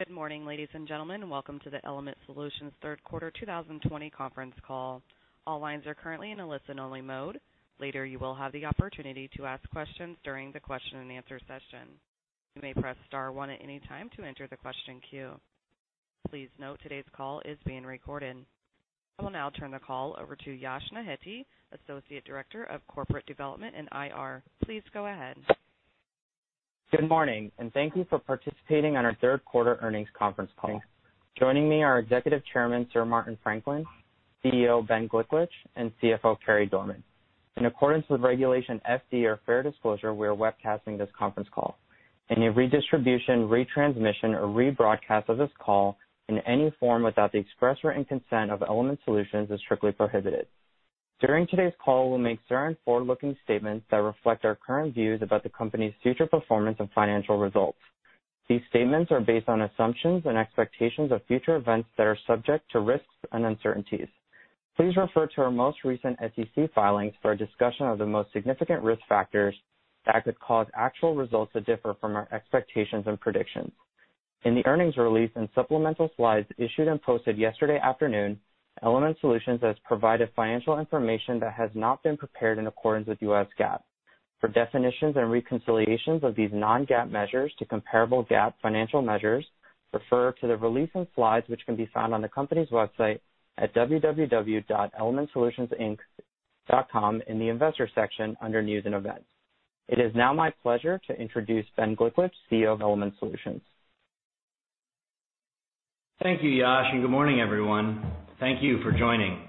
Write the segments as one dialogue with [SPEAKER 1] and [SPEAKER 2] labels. [SPEAKER 1] Good morning, ladies and gentlemen. Welcome to the Element Solutions third quarter 2020 conference call. All lines are currently in a listen-only mode. Later, you will have the opportunity to ask questions during the question and answer session. You may press star one at any time to enter the question queue. Please note today's call is being recorded. I will now turn the call over to Yash Nehete, Associate Director of Corporate Development and IR. Please go ahead.
[SPEAKER 2] Good morning, thank you for participating in our third quarter earnings conference call. Joining me are Executive Chairman Sir Martin Franklin, CEO Ben Gliklich, and CFO Carey Dorman. In accordance with Regulation FD, or fair disclosure, we are webcasting this conference call. Any redistribution, retransmission, or rebroadcast of this call in any form without the express written consent of Element Solutions is strictly prohibited. During today's call, we'll make certain forward-looking statements that reflect our current views about the company's future performance and financial results. These statements are based on assumptions and expectations of future events that are subject to risks and uncertainties. Please refer to our most recent SEC filings for a discussion of the most significant risk factors that could cause actual results to differ from our expectations and predictions. In the earnings release and supplemental slides issued and posted yesterday afternoon, Element Solutions has provided financial information that has not been prepared in accordance with U.S. GAAP. For definitions and reconciliations of these non-GAAP measures to comparable GAAP financial measures, refer to the release and slides which can be found on the company's website at www.elementsolutionsinc.com in the Investors section under News and Events. It is now my pleasure to introduce Ben Gliklich, CEO of Element Solutions.
[SPEAKER 3] Thank you, Yash, and good morning, everyone. Thank you for joining.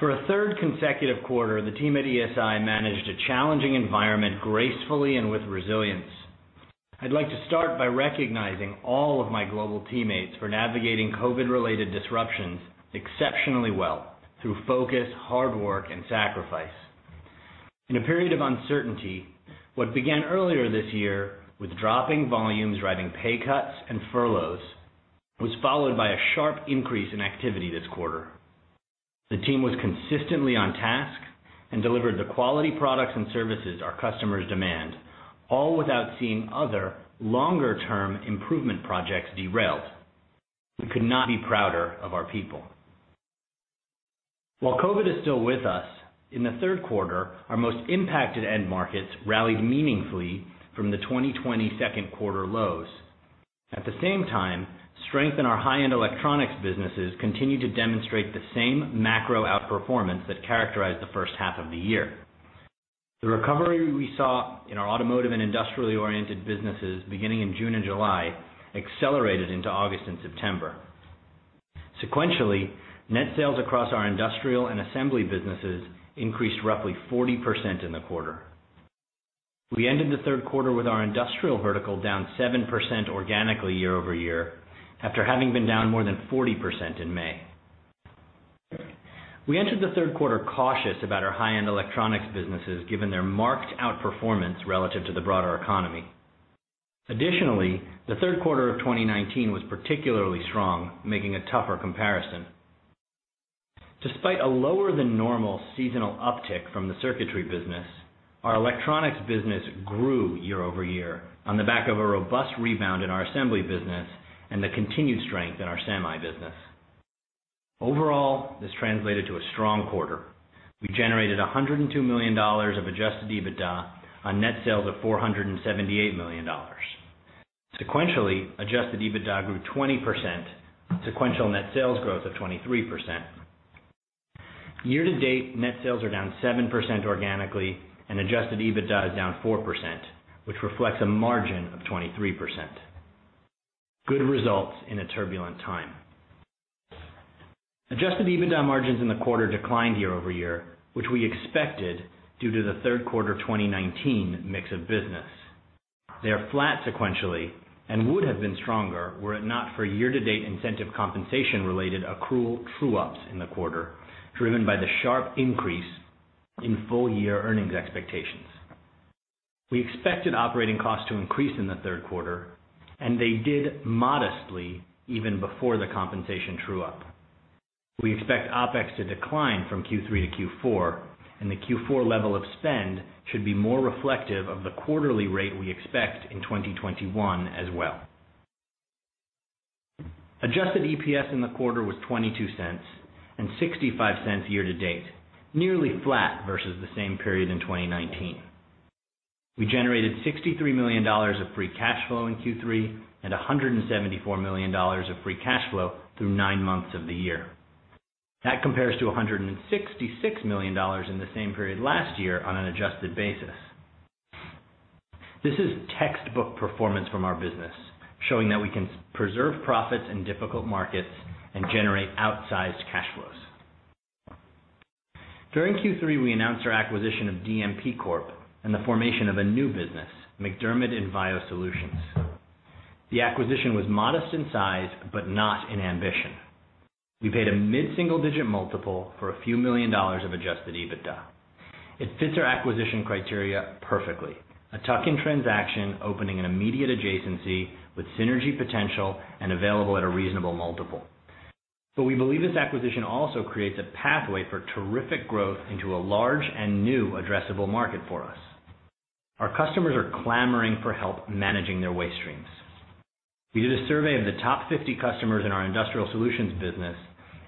[SPEAKER 3] For a third consecutive quarter, the team at ESI managed a challenging environment gracefully and with resilience. I'd like to start by recognizing all of my global teammates for navigating COVID-related disruptions exceptionally well through focus, hard work, and sacrifice. In a period of uncertainty, what began earlier this year with dropping volumes driving pay cuts and furloughs was followed by a sharp increase in activity this quarter. The team was consistently on task and delivered the quality products and services our customers demand, all without seeing other longer-term improvement projects derailed. We could not be prouder of our people. While COVID is still with us, in the third quarter, our most impacted end markets rallied meaningfully from the 2020 second quarter lows. At the same time, strength in our high-end electronics businesses continued to demonstrate the same macro outperformance that characterized the first half of the year. The recovery we saw in our automotive and industrially oriented businesses beginning in June and July accelerated into August and September. Sequentially, net sales across our industrial and assembly businesses increased roughly 40% in the quarter. We ended the third quarter with our industrial vertical down 7% organically year-over-year, after having been down more than 40% in May. We entered the third quarter cautious about our high-end electronics businesses, given their marked outperformance relative to the broader economy. Additionally, the third quarter of 2019 was particularly strong, making a tougher comparison. Despite a lower than normal seasonal uptick from the circuitry business, our electronics business grew year-over-year on the back of a robust rebound in our assembly business and the continued strength in our semi business. Overall, this translated to a strong quarter. We generated $102 million of adjusted EBITDA on net sales of $478 million. Sequentially, adjusted EBITDA grew 20%, sequential net sales growth of 23%. Year-to-date, net sales are down 7% organically, and adjusted EBITDA is down 4%, which reflects a margin of 23%. Good results in a turbulent time. Adjusted EBITDA margins in the quarter declined year-over-year, which we expected due to the third quarter 2019 mix of business. They are flat sequentially and would have been stronger were it not for year-to-date incentive compensation related accrual true-ups in the quarter, driven by the sharp increase in full-year earnings expectations. We expected operating costs to increase in the third quarter, and they did modestly even before the compensation true-up. We expect OpEx to decline from Q3-Q4, and the Q4 level of spend should be more reflective of the quarterly rate we expect in 2021 as well. Adjusted EPS in the quarter was $0.22 and $0.65 year to date, nearly flat versus the same period in 2019. We generated $63 million of free cash flow in Q3 and $174 million of free cash flow through nine months of the year. That compares to $166 million in the same period last year on an adjusted basis. This is textbook performance from our business, showing that we can preserve profits in difficult markets and generate outsized cash flows. During Q3, we announced our acquisition of DMP Corporation and the formation of a new business, MacDermid Envio Solutions. The acquisition was modest in size but not in ambition. We paid a mid-single-digit multiple for a few million dollars of adjusted EBITDA. It fits our acquisition criteria perfectly. A tuck-in transaction opening an immediate adjacency with synergy potential and available at a reasonable multiple. We believe this acquisition also creates a pathway for terrific growth into a large and new addressable market for us. Our customers are clamoring for help managing their waste streams. We did a survey of the top 50 customers in our Industrial Solutions business,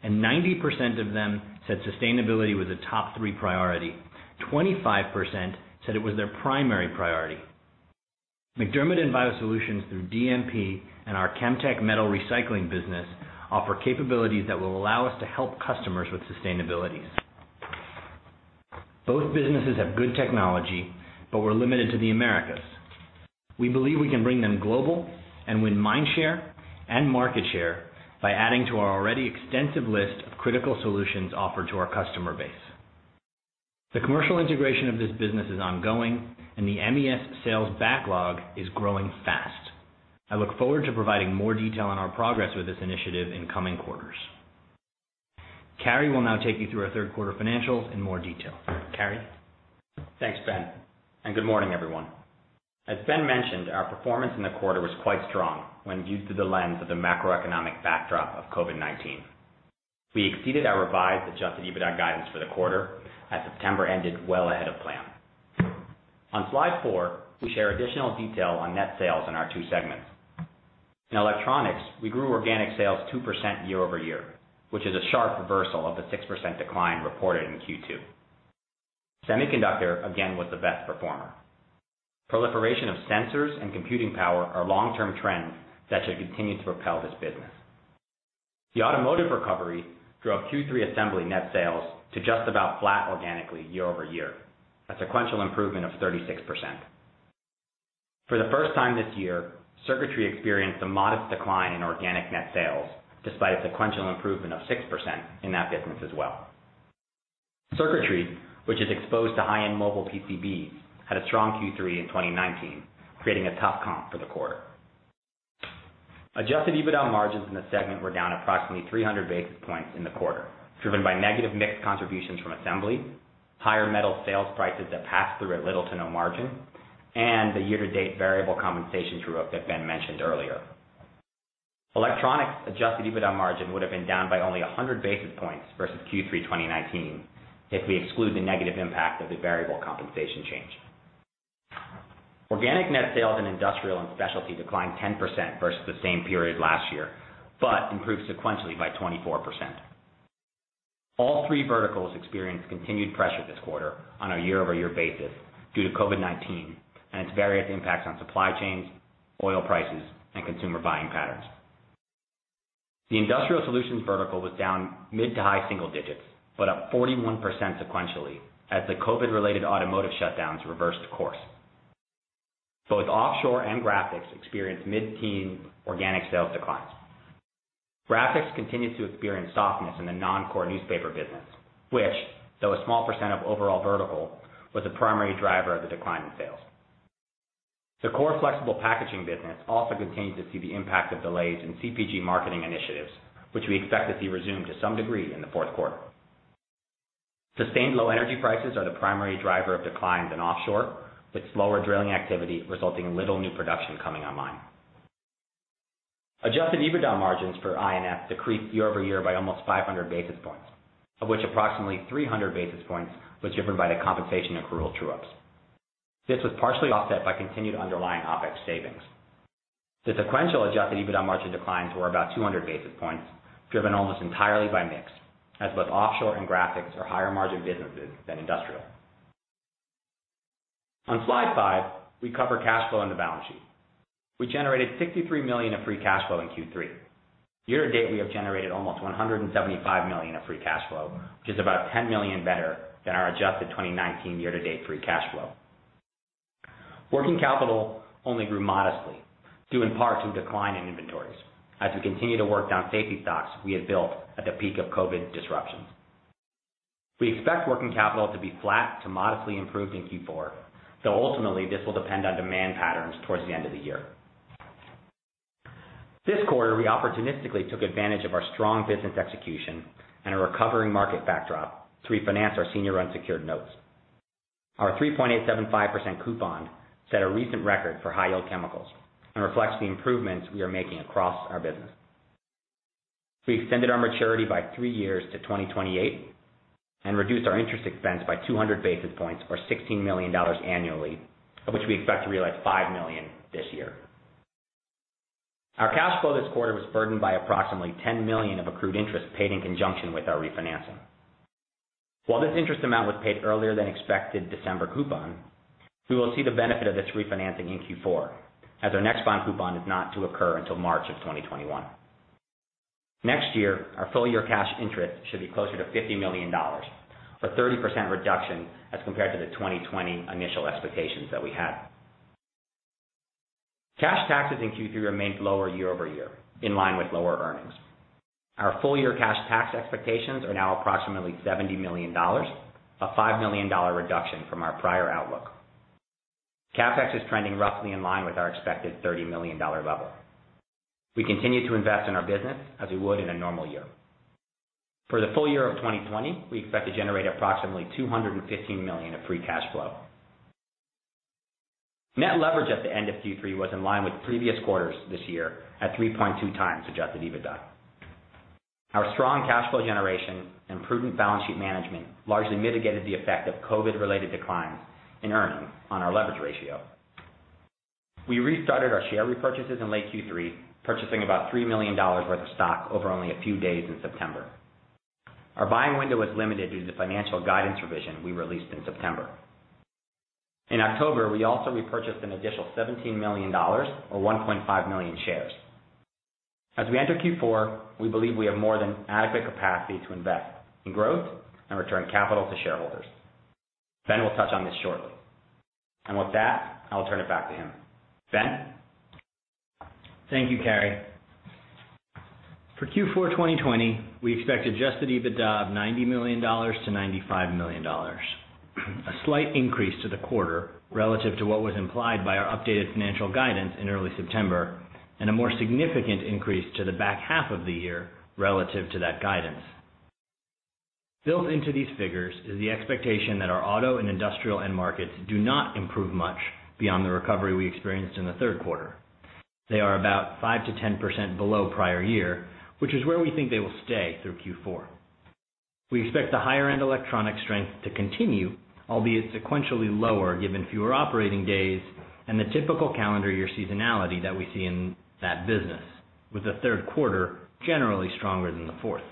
[SPEAKER 3] and 90% of them said sustainability was a top-three priority. 25% said it was their primary priority. MacDermid Envio Solutions through DMP and our Chemtech metals recycling business offer capabilities that will allow us to help customers with sustainability. Both businesses have good technology, but we're limited to the Americas. We believe we can bring them global and win mind share and market share by adding to our already extensive list of critical solutions offered to our customer base. The commercial integration of this business is ongoing, and the MES sales backlog is growing fast. I look forward to providing more detail on our progress with this initiative in coming quarters. Carey will now take you through our third quarter financials in more detail. Carey?
[SPEAKER 4] Thanks, Ben, and good morning, everyone. As Ben mentioned, our performance in the quarter was quite strong when viewed through the lens of the macroeconomic backdrop of COVID-19. We exceeded our revised adjusted EBITDA guidance for the quarter, as September ended well ahead of plan. On slide four, we share additional detail on net sales in our two segments. In electronics, we grew organic sales 2% year-over-year, which is a sharp reversal of the 6% decline reported in Q2. Semiconductor again was the best performer. Proliferation of sensors and computing power are long-term trends that should continue to propel this business. The automotive recovery drove Q3 assembly net sales to just about flat organically year-over-year, a sequential improvement of 36%. For the first time this year, circuitry experienced a modest decline in organic net sales, despite a sequential improvement of 6% in that business as well. Circuitry, which is exposed to high-end mobile PCBs, had a strong Q3 in 2019, creating a tough comp for the quarter. Adjusted EBITDA margins in the segment were down approximately 300 basis points in the quarter, driven by negative mix contributions from assembly, higher metal sales prices that passed through at little to no margin, and the year-to-date variable compensation true-up that Ben mentioned earlier. Electronics adjusted EBITDA margin would have been down by only 100 basis points versus Q3 2019 if we exclude the negative impact of the variable compensation change. Organic net sales in Industrial and Specialty declined 10% versus the same period last year. Improved sequentially by 24%. All three verticals experienced continued pressure this quarter on a year-over-year basis due to COVID-19 and its various impacts on supply chains, oil prices, and consumer buying patterns. The Industrial Solutions vertical was down mid to high single digits, but up 41% sequentially as the COVID-related automotive shutdowns reversed course. Both offshore and Graphics experienced mid-teen organic sales declines. Graphics continues to experience softness in the non-core newspaper business, which, though a small percent of overall vertical, was the primary driver of the decline in sales. The core flexible packaging business also continues to see the impact of delays in CPG marketing initiatives, which we expect to see resume to some degree in the fourth quarter. Sustained low energy prices are the primary driver of declines in offshore, with slower drilling activity resulting in little new production coming online. Adjusted EBITDA margins for I&S decreased year-over-year by almost 500 basis points, of which approximately 300 basis points was driven by the compensation accrual true-ups. This was partially offset by continued underlying OpEx savings. The sequential adjusted EBITDA margin declines were about 200 basis points, driven almost entirely by mix, as both offshore and graphics are higher-margin businesses than industrial. On slide five, we cover cash flow and the balance sheet. We generated $63 million of free cash flow in Q3. Year-to-date, we have generated almost $175 million of free cash flow, which is about $10 million better than our adjusted 2019 year-to-date free cash flow. Working capital only grew modestly, due in part to a decline in inventories. As we continue to work down safety stocks we had built at the peak of COVID-19 disruptions. We expect working capital to be flat to modestly improved in Q4, though ultimately, this will depend on demand patterns towards the end of the year. This quarter, we opportunistically took advantage of our strong business execution and a recovering market backdrop to refinance our senior unsecured notes. Our 3.875% coupon set a recent record for high-yield chemicals and reflects the improvements we are making across our business. We extended our maturity by three years to 2028 and reduced our interest expense by 200 basis points or $16 million annually, of which we expect to realize $5 million this year. Our cash flow this quarter was burdened by approximately $10 million of accrued interest paid in conjunction with our refinancing. While this interest amount was paid earlier than expected December coupon, we will see the benefit of this refinancing in Q4, as our next bond coupon is not to occur until March of 2021. Next year, our full-year cash interest should be closer to $50 million, a 30% reduction as compared to the 2020 initial expectations that we had. Cash taxes in Q3 remained lower year-over-year, in line with lower earnings. Our full-year cash tax expectations are now approximately $70 million, a $5 million reduction from our prior outlook. CapEx is trending roughly in line with our expected $30 million level. We continue to invest in our business as we would in a normal year. For the full year of 2020, we expect to generate approximately $215 million of free cash flow. Net leverage at the end of Q3 was in line with previous quarters this year at 3.2x adjusted EBITDA. Our strong cash flow generation and prudent balance sheet management largely mitigated the effect of COVID-related declines in earnings on our leverage ratio. We restarted our share repurchases in late Q3, purchasing about $3 million worth of stock over only a few days in September. Our buying window was limited due to the financial guidance revision we released in September. In October, we also repurchased an additional $17 million or 1.5 million shares. As we enter Q4, we believe we have more than adequate capacity to invest in growth and return capital to shareholders. Ben will touch on this shortly. With that, I will turn it back to him. Ben?
[SPEAKER 3] Thank you, Carey. For Q4 2020, we expected adjusted EBITDA of $90 million-$95 million. A slight increase to the quarter relative to what was implied by our updated financial guidance in early September, and a more significant increase to the back half of the year relative to that guidance. Built into these figures is the expectation that our auto and industrial end markets do not improve much beyond the recovery we experienced in the third quarter. They are about 5%-10% below prior year, which is where we think they will stay through Q4. We expect the higher-end electronic strength to continue, albeit sequentially lower given fewer operating days and the typical calendar year seasonality that we see in that business, with the third quarter generally stronger than the fourth.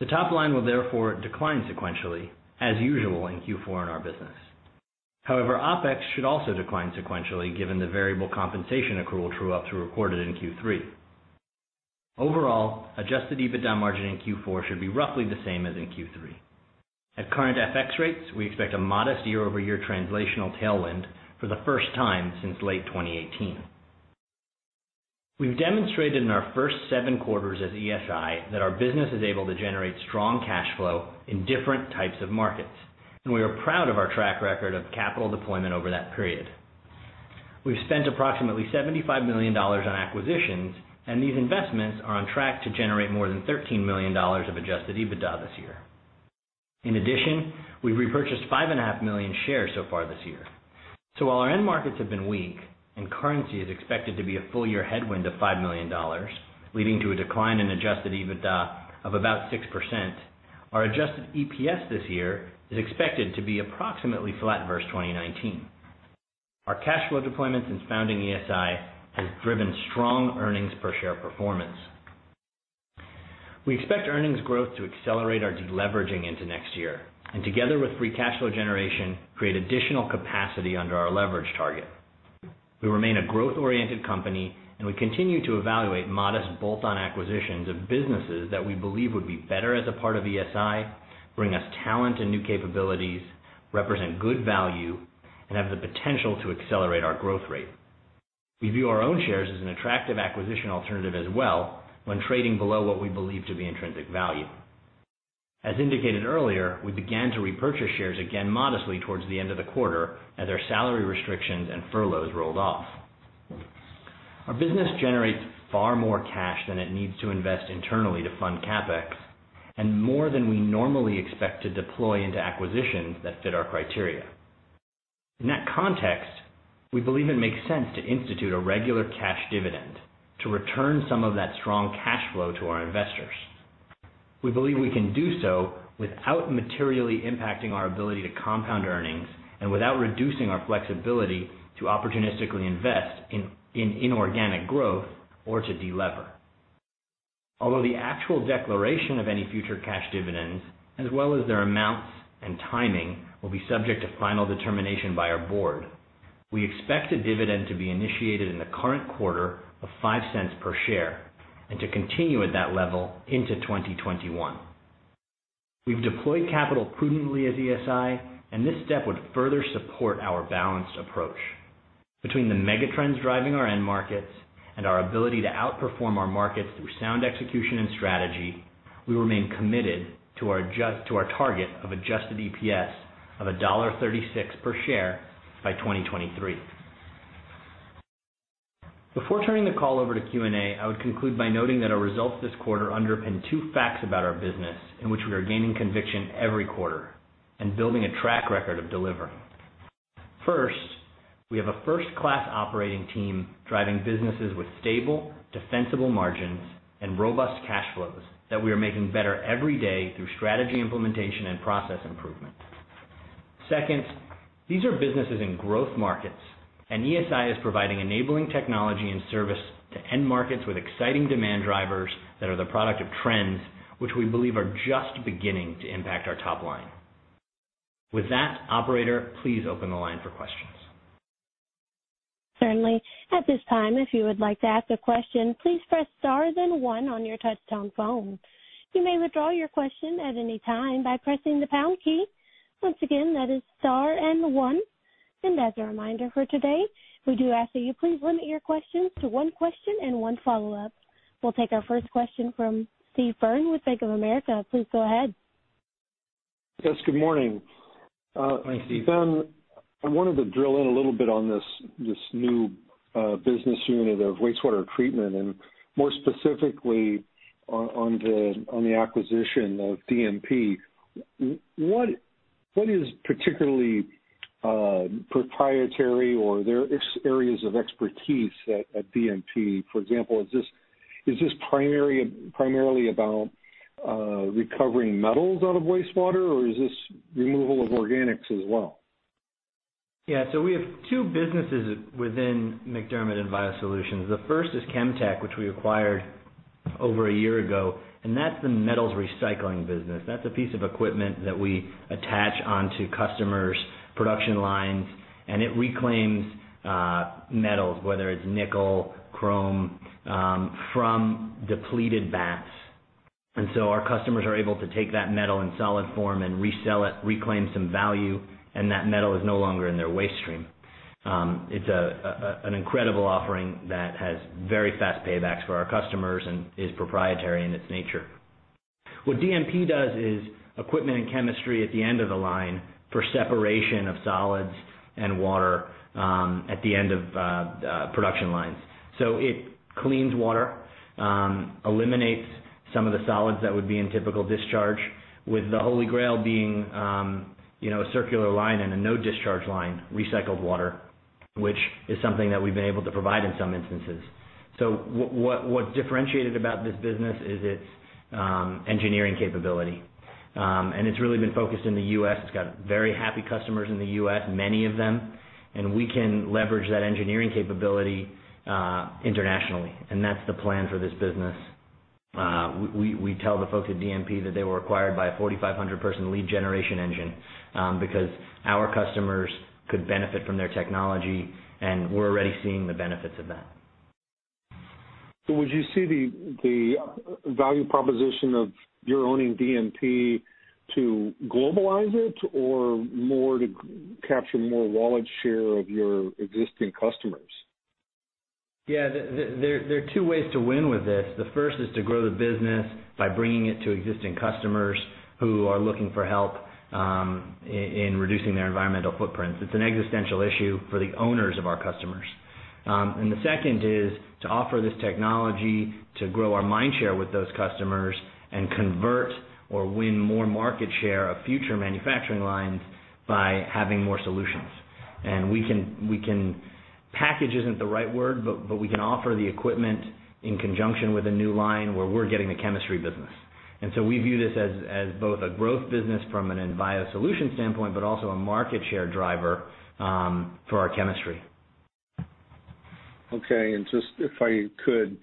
[SPEAKER 3] The top line will decline sequentially as usual in Q4 in our business. However, OpEx should also decline sequentially given the variable compensation accrual true-ups we recorded in Q3. Overall, adjusted EBITDA margin in Q4 should be roughly the same as in Q3. At current FX rates, we expect a modest year-over-year translational tailwind for the 1st time since late 2018. We've demonstrated in our first seven quarters as ESI that our business is able to generate strong cash flow in different types of markets, and we are proud of our track record of capital deployment over that period. We've spent approximately $75 million on acquisitions, and these investments are on track to generate more than $13 million of adjusted EBITDA this year. In addition, we've repurchased 5.5 million shares so far this year. While our end markets have been weak and currency is expected to be a full year headwind of $5 million, leading to a decline in adjusted EBITDA of about 6%, our adjusted EPS this year is expected to be approximately flat versus 2019. Our cash flow deployment since founding ESI has driven strong earnings per share performance. We expect earnings growth to accelerate our deleveraging into next year, and together with free cash flow generation, create additional capacity under our leverage target. We remain a growth-oriented company, and we continue to evaluate modest bolt-on acquisitions of businesses that we believe would be better as a part of ESI, bring us talent and new capabilities, represent good value, and have the potential to accelerate our growth rate. We view our own shares as an attractive acquisition alternative as well when trading below what we believe to be intrinsic value. As indicated earlier, we began to repurchase shares again modestly towards the end of the quarter as our salary restrictions and furloughs rolled off. Our business generates far more cash than it needs to invest internally to fund CapEx, and more than we normally expect to deploy into acquisitions that fit our criteria. In that context, we believe it makes sense to institute a regular cash dividend to return some of that strong cash flow to our investors. We believe we can do so without materially impacting our ability to compound earnings and without reducing our flexibility to opportunistically invest in inorganic growth or to delever. Although the actual declaration of any future cash dividends, as well as their amounts and timing, will be subject to final determination by our board, we expect a dividend to be initiated in the current quarter of $0.05 per share and to continue at that level into 2021. We've deployed capital prudently as ESI, this step would further support our balanced approach. Between the mega trends driving our end markets and our ability to outperform our markets through sound execution and strategy, we remain committed to our target of Adjusted EPS of $1.36 per share by 2023. Before turning the call over to Q&A, I would conclude by noting that our results this quarter underpin two facts about our business in which we are gaining conviction every quarter and building a track record of delivering. 1st, we have a first-class operating team driving businesses with stable, defensible margins and robust cash flows that we are making better every day through strategy implementation and process improvement. 2nd, these are businesses in growth markets, and ESI is providing enabling technology and service to end markets with exciting demand drivers that are the product of trends which we believe are just beginning to impact our top line. With that, operator, please open the line for questions.
[SPEAKER 1] Certainly. At this time, if you would like to ask a question, please press star then one on your touchtone phone. You may withdraw your question at any time by pressing the pound key. Once again, that is star and one. As a reminder for today, we do ask that you please limit your questions to one question and one follow-up. We'll take our 1st question from Steve Byrne with Bank of America. Please go ahead.
[SPEAKER 5] Yes, good morning.
[SPEAKER 3] Hi, Steve.
[SPEAKER 5] Ben, I wanted to drill in a little bit on this new business unit of wastewater treatment, and more specifically on the acquisition of DMP. What is particularly proprietary or their areas of expertise at DMP? For example, is this primarily about recovering metals out of wastewater, or is this removal of organics as well?
[SPEAKER 3] Yeah. We have two businesses within MacDermid Envio Solutions. The 1st is Chemtech, which we acquired over a year ago. That's the metals recycling business. That's a piece of equipment that we attach onto customers' production lines. It reclaims metals, whether it's nickel, chrome, from depleted baths. Our customers are able to take that metal in solid form and resell it, reclaim some value, and that metal is no longer in their waste stream. It's an incredible offering that has very fast paybacks for our customers and is proprietary in its nature. What DMP does is equipment and chemistry at the end of the line for separation of solids and water at the end of production lines. It cleans water, eliminates some of the solids that would be in typical discharge, with the Holy Grail being a circular line and a no discharge line, recycled water, which is something that we've been able to provide in some instances. What's differentiated about this business is its engineering capability. It's really been focused in the U.S. It's got very happy customers in the U.S., many of them. We can leverage that engineering capability internationally, and that's the plan for this business. We tell the folks at DMP that they were acquired by a 4,500-person lead generation engine, because our customers could benefit from their technology, and we're already seeing the benefits of that.
[SPEAKER 5] Would you see the value proposition of your owning DMP to globalize it, or more to capture more wallet share of your existing customers?
[SPEAKER 3] Yeah. There are two ways to win with this. The 1st is to grow the business by bringing it to existing customers who are looking for help in reducing their environmental footprint. It's an existential issue for the owners of our customers. The 2nd is to offer this technology to grow our mind share with those customers and convert or win more market share of future manufacturing lines by having more solutions. We can, package isn't the right word, but we can offer the equipment in conjunction with a new line where we're getting the chemistry business. We view this as both a growth business from an Envio Solutions standpoint, but also a market share driver for our chemistry.
[SPEAKER 5] Okay. Just if I could,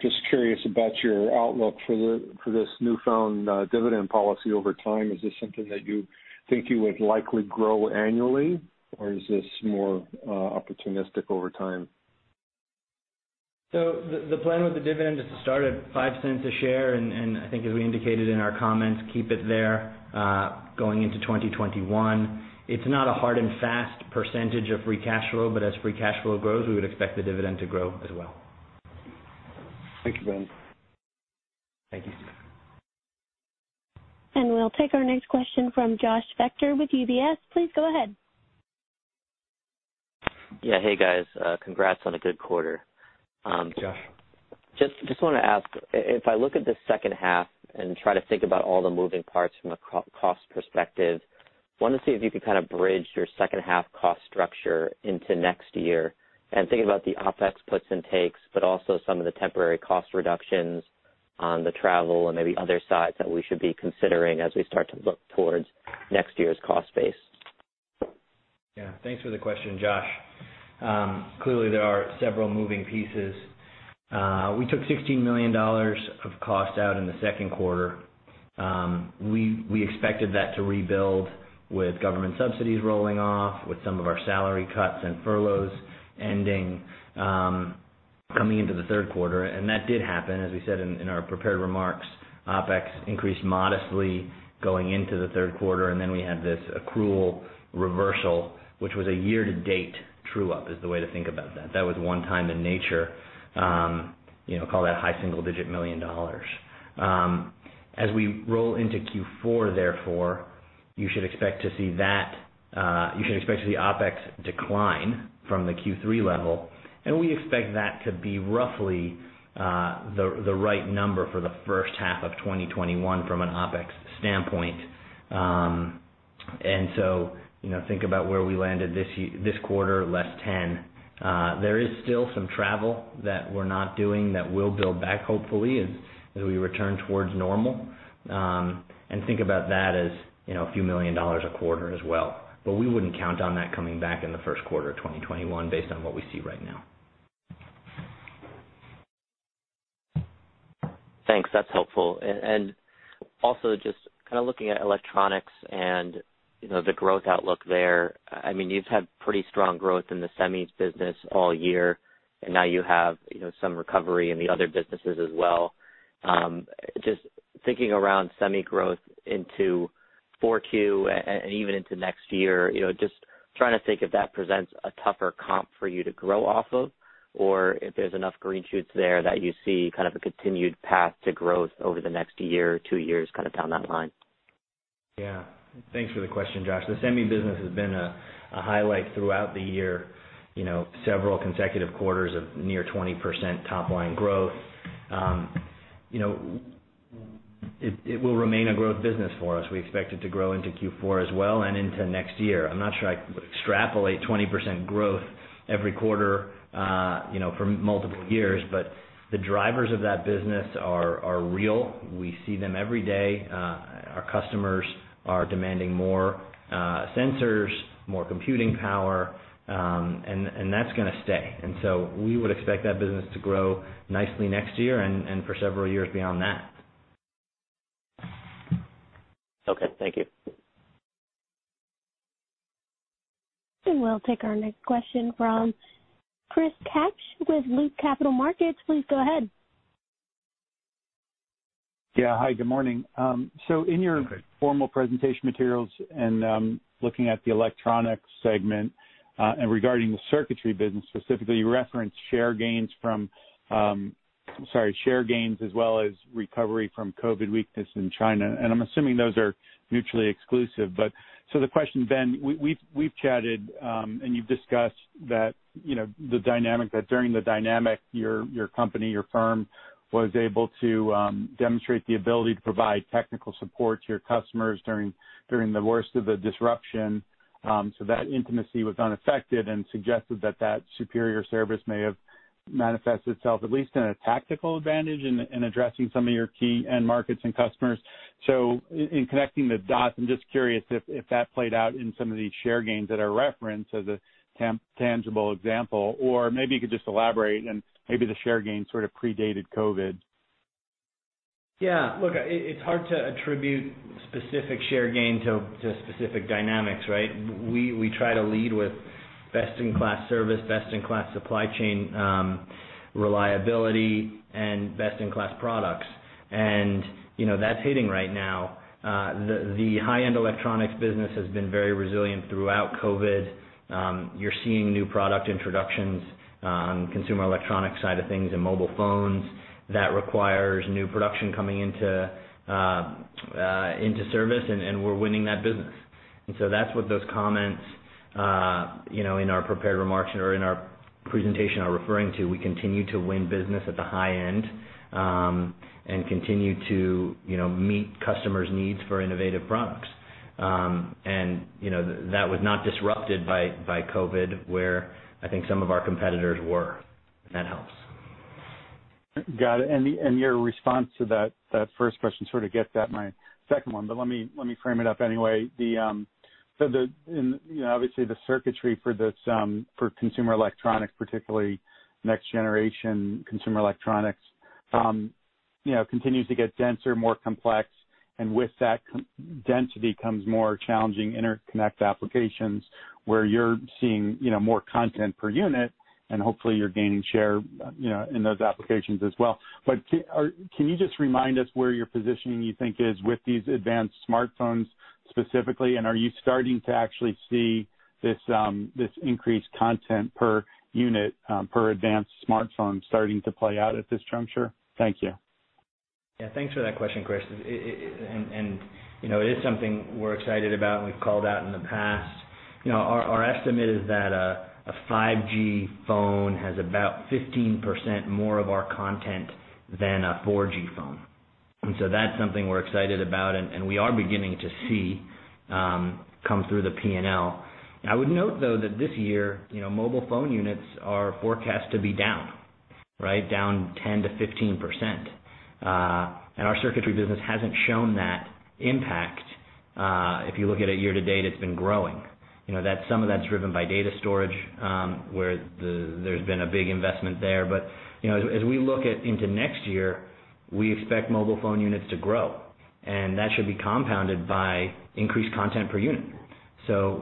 [SPEAKER 5] just curious about your outlook for this newfound dividend policy over time. Is this something that you think you would likely grow annually, or is this more opportunistic over time?
[SPEAKER 3] The plan with the dividend is to start at $0.05 a share, and I think as we indicated in our comments, keep it there going into 2021. It's not a hard and fast percentage of free cash flow, but as free cash flow grows, we would expect the dividend to grow as well.
[SPEAKER 5] Thank you, Ben.
[SPEAKER 3] Thank you.
[SPEAKER 1] We'll take our next question from Josh Spector with UBS. Please go ahead.
[SPEAKER 6] Yeah. Hey, guys. Congrats on a good quarter.
[SPEAKER 3] Josh.
[SPEAKER 6] Just want to ask, if I look at the second half and try to think about all the moving parts from a cost perspective, want to see if you could kind of bridge your second half cost structure into next year, and thinking about the OpEx puts and takes, but also some of the temporary cost reductions on the travel and maybe other sides that we should be considering as we start to look towards next year's cost base.
[SPEAKER 3] Yeah. Thanks for the question, Josh. Clearly there are several moving pieces. We took $16 million of cost out in the second quarter. We expected that to rebuild with government subsidies rolling off, with some of our salary cuts and furloughs ending coming into the third quarter. That did happen, as we said in our prepared remarks. OpEx increased modestly going into the third quarter. Then we had this accrual reversal, which was a year-to-date true-up is the way to think about that. That was one-time in nature. Call that high single-digit million dollars. As we roll into Q4, therefore, you should expect to see the OpEx decline from the Q3 level. We expect that to be roughly the right number for the first half of 2021 from an OpEx standpoint. Think about where we landed this quarter, less $10. There is still some travel that we're not doing that we'll build back hopefully as we return towards normal. Think about that as a few million dollars a quarter as well. We wouldn't count on that coming back in the first quarter of 2021 based on what we see right now.
[SPEAKER 6] Thanks. That's helpful. Also just kind of looking at electronics and the growth outlook there, you've had pretty strong growth in the semis business all year, and now you have some recovery in the other businesses as well. Just thinking around semi growth into 4Q and even into next year, just trying to think if that presents a tougher comp for you to grow off of, or if there's enough green shoots there that you see kind of a continued path to growth over the next year or two years kind of down that line.
[SPEAKER 3] Yeah. Thanks for the question, Josh. The semi business has been a highlight throughout the year. Several consecutive quarters of near 20% top-line growth. It will remain a growth business for us. We expect it to grow into Q4 as well and into next year. I'm not sure I would extrapolate 20% growth every quarter for multiple years, but the drivers of that business are real. We see them every day. Our customers are demanding more sensors, more computing power, and that's going to stay. We would expect that business to grow nicely next year and for several years beyond that.
[SPEAKER 6] Okay, thank you.
[SPEAKER 1] We'll take our next question from Chris Kapsch with Loop Capital Markets. Please go ahead.
[SPEAKER 7] Yeah. Hi, good morning. In your formal presentation materials and looking at the electronics segment, and regarding the circuitry business specifically, you referenced share gains as well as recovery from COVID weakness in China. I'm assuming those are mutually exclusive. The question, Ben, we've chatted, and you've discussed that during the dynamic, your company, your firm was able to demonstrate the ability to provide technical support to your customers during the worst of the disruption. That intimacy was unaffected and suggested that superior service may have manifested itself at least in a tactical advantage in addressing some of your key end markets and customers. In connecting the dots, I'm just curious if that played out in some of these share gains that are referenced as a tangible example. Maybe you could just elaborate and maybe the share gains sort of predated COVID.
[SPEAKER 3] Yeah, look, it's hard to attribute specific share gain to specific dynamics, right? We try to lead with best-in-class service, best-in-class supply chain reliability, and best-in-class products. That's hitting right now. The high-end electronics business has been very resilient throughout COVID-19. You're seeing new product introductions on consumer electronics side of things and mobile phones that requires new production coming into service, and we're winning that business. That's what those comments in our prepared remarks or in our presentation are referring to. We continue to win business at the high end, and continue to meet customers' needs for innovative products. That was not disrupted by COVID-19, where I think some of our competitors were. That helps.
[SPEAKER 7] Got it. Your response to that 1st question sort of gets at my second one, but let me frame it up anyway. Obviously, the circuitry for consumer electronics, particularly next generation consumer electronics continues to get denser, more complex, and with that density comes more challenging interconnect applications where you're seeing more content per unit and hopefully you're gaining share in those applications as well. Can you just remind us where your positioning you think is with these advanced smartphones specifically, and are you starting to actually see this increased content per unit, per advanced smartphone starting to play out at this juncture? Thank you.
[SPEAKER 3] Yeah, thanks for that question, Chris. It is something we're excited about and we've called out in the past. Our estimate is that a 5G phone has about 15% more of our content than a 4G phone. That's something we're excited about and we are beginning to see come through the P&L. I would note, though, that this year, mobile phone units are forecast to be down, right? Down 10%-15%. Our circuitry business hasn't shown that impact. If you look at it year to date, it's been growing. Some of that's driven by data storage, where there's been a big investment there. As we look into next year, we expect mobile phone units to grow, and that should be compounded by increased content per unit.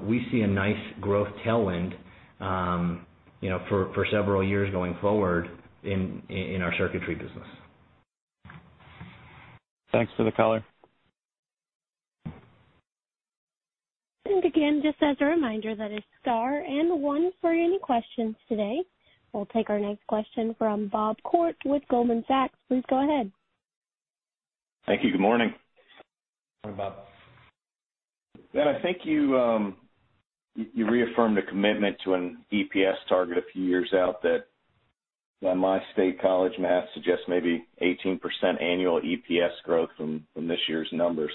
[SPEAKER 3] We see a nice growth tailwind for several years going forward in our circuitry business.
[SPEAKER 7] Thanks for the color.
[SPEAKER 1] Again, just as a reminder, that is star and one for any questions today. We'll take our next question from Bob Koort with Goldman Sachs. Please go ahead.
[SPEAKER 8] Thank you. Good morning.
[SPEAKER 3] Morning, Bob.
[SPEAKER 8] Ben, I think you reaffirmed a commitment to an EPS target a few years out that my state college math suggests maybe 18% annual EPS growth from this year's numbers.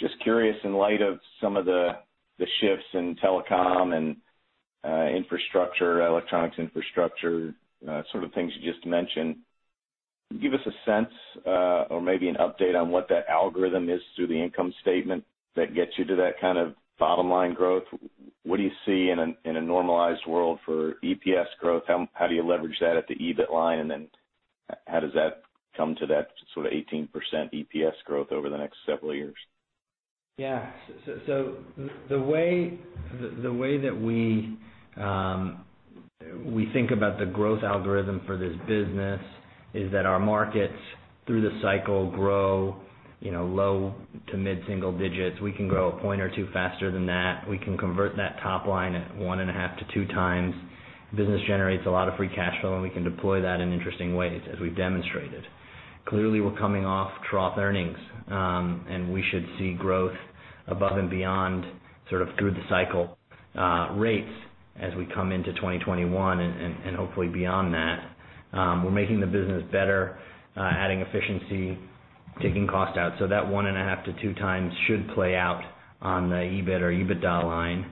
[SPEAKER 8] Just curious, in light of some of the shifts in telecom and infrastructure, electronics infrastructure, sort of things you just mentioned, give us a sense, or maybe an update on what that algorithm is through the income statement that gets you to that kind of bottom-line growth. What do you see in a normalized world for EPS growth? How do you leverage that at the EBIT line, and then how does that come to that sort of 18% EPS growth over the next several years?
[SPEAKER 3] Yeah. The way that we think about the growth algorithm for this business is that our markets through the cycle grow low to mid-single digits. We can grow a point or two faster than that. We can convert that top line at one and a half to 2x. The business generates a lot of free cash flow, and we can deploy that in interesting ways as we've demonstrated. Clearly, we're coming off trough earnings, and we should see growth above and beyond, sort of through the cycle rates as we come into 2021 and hopefully beyond that. We're making the business better, adding efficiency, taking cost out. That one and a half to 2x should play out on the EBIT or EBITDA line.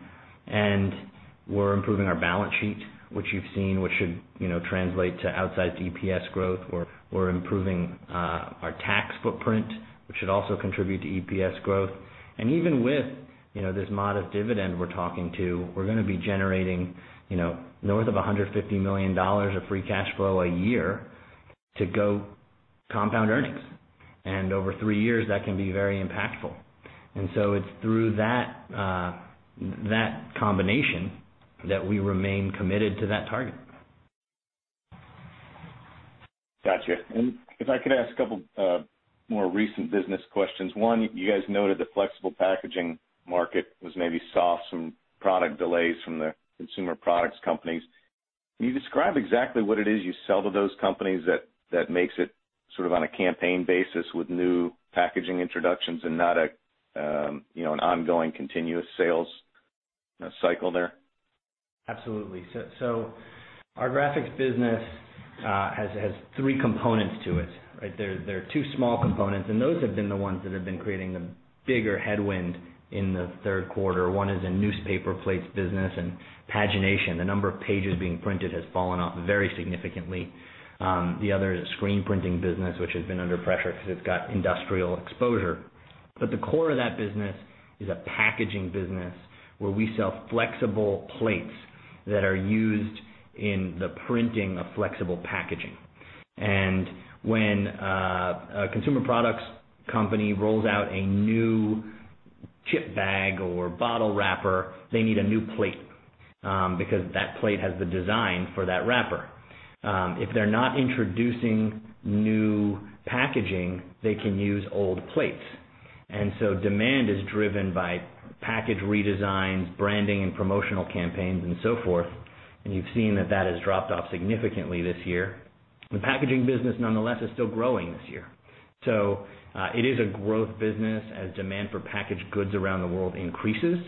[SPEAKER 3] We're improving our balance sheet, which you've seen, which should translate to outside EPS growth. We're improving our tax footprint, which should also contribute to EPS growth. Even with this modest dividend we're talking to, we're going to be generating north of $150 million of free cash flow a year to go compound earnings. Over three years, that can be very impactful. It's through that combination that we remain committed to that target.
[SPEAKER 8] Got you. If I could ask a couple more recent business questions. One, you guys noted the flexible packaging market was maybe saw some product delays from the consumer products companies. Can you describe exactly what it is you sell to those companies that makes it sort of on a campaign basis with new packaging introductions and not an ongoing continuous sales cycle there?
[SPEAKER 3] Absolutely. Our graphics business has three components to it. There are two small components, and those have been the ones that have been creating the bigger headwind in the third quarter. One is a newspaper plates business and pagination. The number of pages being printed has fallen off very significantly. The other is a screen printing business, which has been under pressure because it's got industrial exposure. The core of that business is a packaging business where we sell flexible plates that are used in the printing of flexible packaging. When a consumer products company rolls out a new chip bag or bottle wrapper, they need a new plate, because that plate has the design for that wrapper. If they're not introducing new packaging, they can use old plates. Demand is driven by package redesigns, branding, and promotional campaigns and so forth. You've seen that that has dropped off significantly this year. The packaging business, nonetheless, is still growing this year. It is a growth business as demand for packaged goods around the world increases.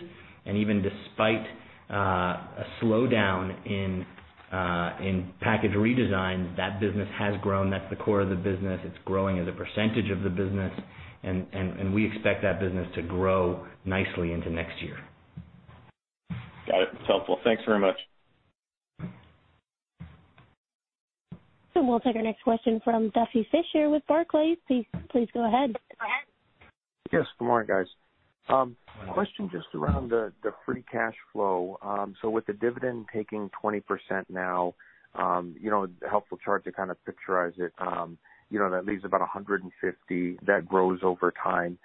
[SPEAKER 3] Even despite a slowdown in package redesigns, that business has grown. That's the core of the business. It's growing as a percentage of the business, and we expect that business to grow nicely into next year.
[SPEAKER 8] Got it. That is helpful. Thanks very much.
[SPEAKER 1] We'll take our next question from Duffy Fischer with Barclays. Please go ahead.
[SPEAKER 9] Good morning, guys. Question just around the free cash flow. With the dividend taking 20% now, helpful chart to kind of picturize it. That leaves about $150 that grows over time.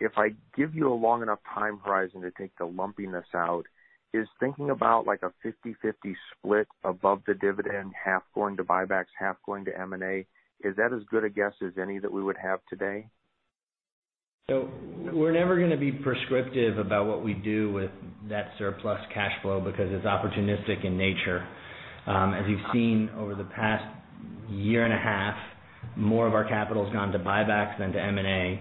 [SPEAKER 9] If I give you a long enough time horizon to take the lumpiness out, is thinking about like a 50/50 split above the dividend, half going to buybacks, half going to M&A, is that as good a guess as any that we would have today?
[SPEAKER 3] We're never going to be prescriptive about what we do with that surplus cash flow because it's opportunistic in nature. As you've seen over the past year and a half, more of our capital's gone to buybacks than to M&A.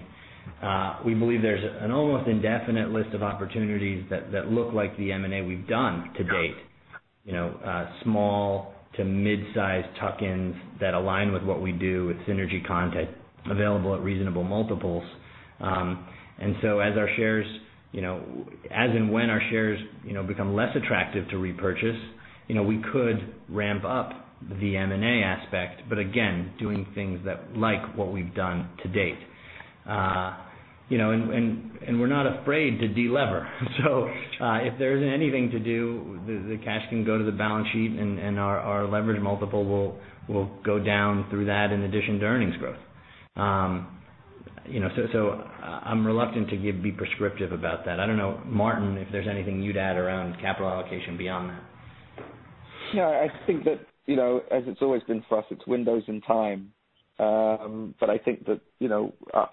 [SPEAKER 3] We believe there's an almost indefinite list of opportunities that look like the M&A we've done to date. Small to mid-size tuck-ins that align with what we do with synergy content available at reasonable multiples. As and when our shares become less attractive to repurchase, we could ramp up the M&A aspect, but again, doing things like what we've done to date. We're not afraid to de-lever. If there isn't anything to do, the cash can go to the balance sheet, and our leverage multiple will go down through that in addition to earnings growth. I'm reluctant to be prescriptive about that. I don't know, Martin, if there's anything you'd add around capital allocation beyond that.
[SPEAKER 10] I think that as it's always been for us, it's windows in time. I think that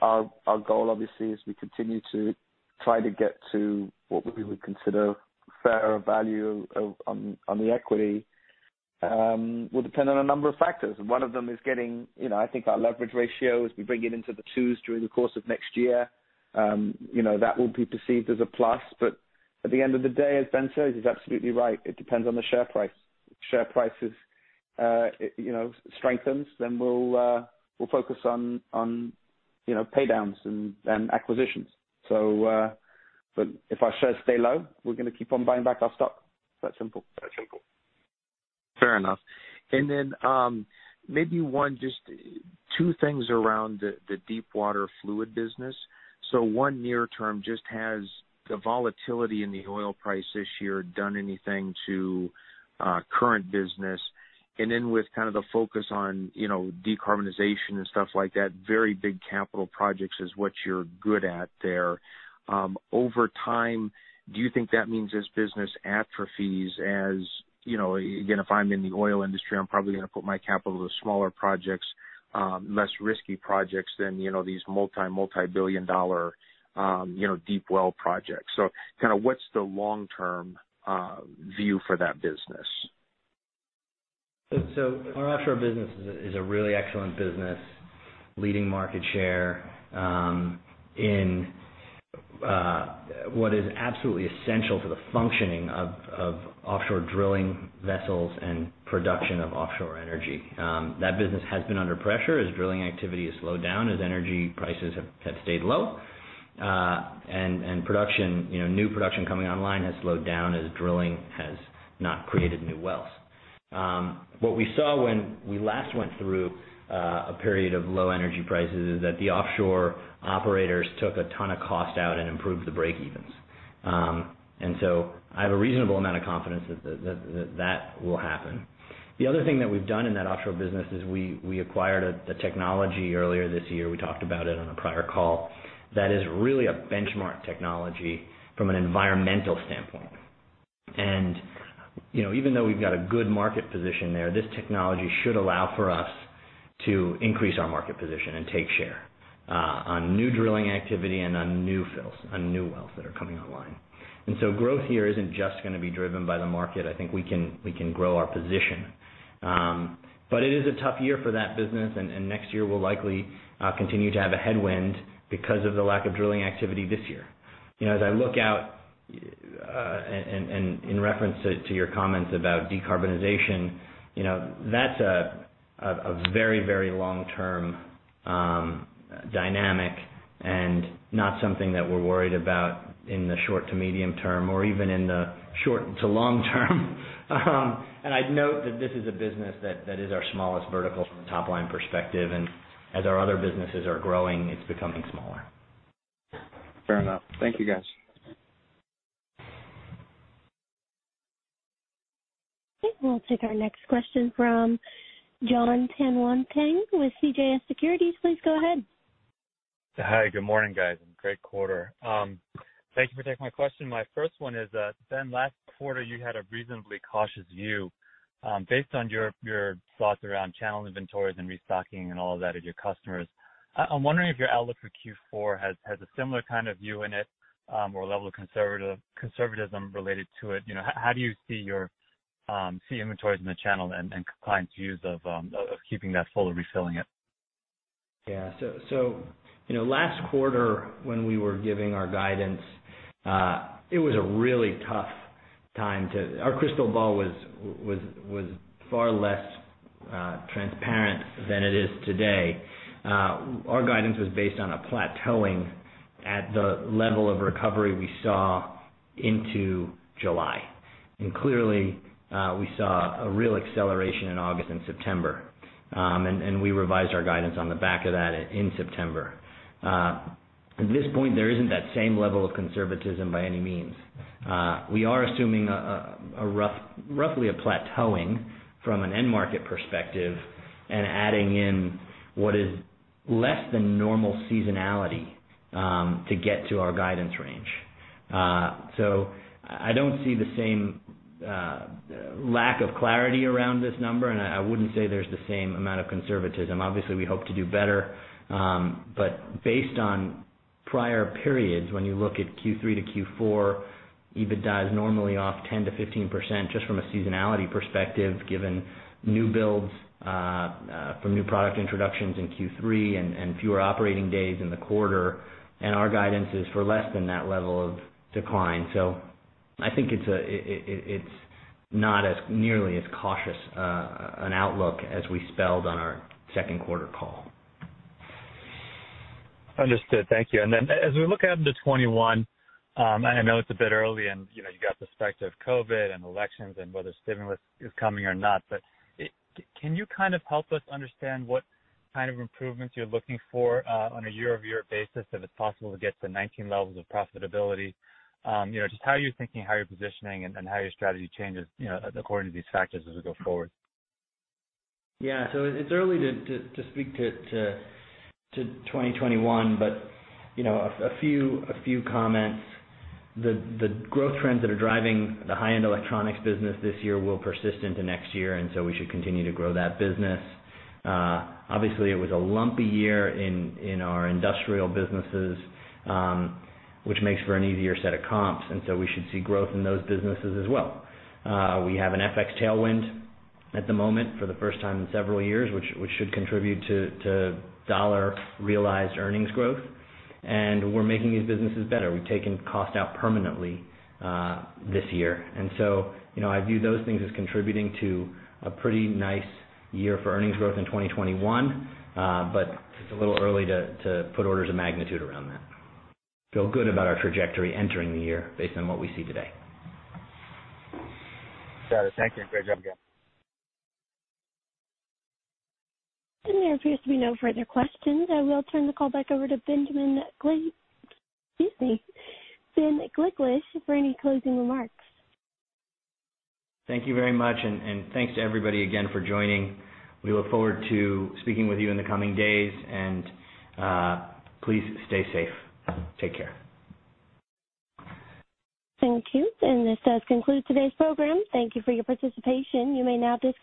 [SPEAKER 10] our goal obviously is we continue to try to get to what we would consider fairer value on the equity will depend on a number of factors. One of them is getting I think our leverage ratio as we bring it into the twos during the course of next year. That will be perceived as a plus, but at the end of the day, as Ben says, he's absolutely right. It depends on the share price. If share prices strengthens, we'll focus on pay downs and acquisitions. If our shares stay low, we're going to keep on buying back our stock. It's that simple.
[SPEAKER 9] Fair enough. Maybe just two things around the deep water fluid business. One near term just has the volatility in the oil price this year done anything to current business? With kind of the focus on decarbonization and stuff like that, very big capital projects is what you're good at there. Over time, do you think that means this business atrophies as, again, if I'm in the oil industry, I'm probably going to put my capital to smaller projects, less risky projects than these multi-billion dollar deep well projects. Kind of what's the long term view for that business?
[SPEAKER 3] Our offshore business is a really excellent business, leading market share in what is absolutely essential to the functioning of offshore drilling vessels and production of offshore energy. That business has been under pressure as drilling activity has slowed down, as energy prices have stayed low. New production coming online has slowed down as drilling has not created new wells. What we saw when we last went through a period of low energy prices is that the offshore operators took a ton of cost out and improved the break evens. I have a reasonable amount of confidence that that will happen. The other thing that we've done in that offshore business is we acquired a technology earlier this year, we talked about it on a prior call, that is really a benchmark technology from an environmental standpoint. Even though we've got a good market position there, this technology should allow for us to increase our market position and take share on new drilling activity and on new wells that are coming online. Growth here isn't just going to be driven by the market. I think we can grow our position. It is a tough year for that business, and next year we'll likely continue to have a headwind because of the lack of drilling activity this year. As I look out, in reference to your comments about decarbonization, that's a very long-term dynamic and not something that we're worried about in the short to medium term or even in the short to long term. I'd note that this is a business that is our smallest vertical from a top-line perspective. As our other businesses are growing, it's becoming smaller.
[SPEAKER 9] Fair enough. Thank you, guys.
[SPEAKER 1] Okay, we'll take our next question from John Tanwanteng with CJS Securities. Please go ahead.
[SPEAKER 11] Hi, good morning, guys. Great quarter. Thank you for taking my question. My 1st one is, Ben, last quarter you had a reasonably cautious view. Based on your thoughts around channel inventories and restocking and all of that at your customers, I'm wondering if your outlook for Q4 has a similar kind of view in it, or level of conservatism related to it. How do you see inventories in the channel and clients' views of keeping that full or refilling it?
[SPEAKER 3] Yeah. Last quarter when we were giving our guidance, it was a really tough time. Our crystal ball was far less transparent than it is today. Our guidance was based on a plateauing at the level of recovery we saw into July. Clearly, we saw a real acceleration in August and September. We revised our guidance on the back of that in September. At this point, there isn't that same level of conservatism by any means. We are assuming roughly a plateauing from an end market perspective and adding in what is less than normal seasonality to get to our guidance range. I don't see the same lack of clarity around this number, and I wouldn't say there's the same amount of conservatism. Obviously, we hope to do better. Based on prior periods, when you look at Q3 to Q4, EBITDA is normally off 10%-15%, just from a seasonality perspective, given new builds from new product introductions in Q3 and fewer operating days in the quarter. Our guidance is for less than that level of decline. I think it's not as nearly as cautious an outlook as we spelled on our second quarter call.
[SPEAKER 11] Understood. Thank you. As we look ahead into 2021, I know it's a bit early and you've got the specter of COVID-19 and elections and whether stimulus is coming or not, can you help us understand what kind of improvements you're looking for on a year-over-year basis, if it's possible to get to 2019 levels of profitability? Just how you're thinking, how you're positioning, and how your strategy changes according to these factors as we go forward.
[SPEAKER 3] Yeah. It's early to speak to 2021, but a few comments. The growth trends that are driving the high-end electronics business this year will persist into next year, we should continue to grow that business. Obviously, it was a lumpy year in our industrial businesses, which makes for an easier set of comps. We should see growth in those businesses as well. We have an FX tailwind at the moment for the 1st time in several years, which should contribute to dollar realized earnings growth. We're making these businesses better. We've taken cost out permanently this year. I view those things as contributing to a pretty nice year for earnings growth in 2021. It's a little early to put orders of magnitude around that. Feel good about our trajectory entering the year based on what we see today.
[SPEAKER 11] Got it. Thank you. Great job, guys.
[SPEAKER 1] There appears to be no further questions. I will turn the call back over to Ben Gliklich for any closing remarks.
[SPEAKER 3] Thank you very much. Thanks to everybody again for joining. We look forward to speaking with you in the coming days, and please stay safe. Take care.
[SPEAKER 1] Thank you. This does conclude today's program. Thank you for your participation. You may now disconnect.